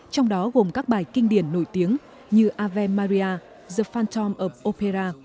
trong đó gồm các bài kinh điển nổi tiếng như ave maria the phantom of opera